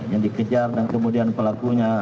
yang dikejar dan kemudian pelakunya